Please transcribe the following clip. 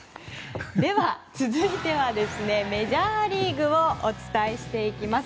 では続いてはメジャーリーグをお伝えしていきます。